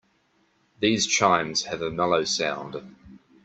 These chimes have a mellow sound.